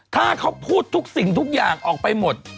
ถ้าเขาพูดทุกสิ่งทุกอย่างออกไปหมด